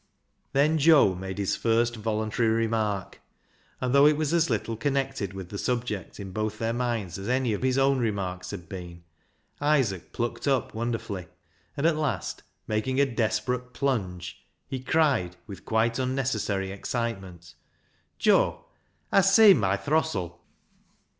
Then Joe made his first voluntary remark, and though it was as little connected with the subject in both their minds as any of his own remarks had been, Isaac plucked up wonder fully, and at last, making a desperate plunge, he cried with quite unnecessary excitement — "Joe, hast seen my throstle?"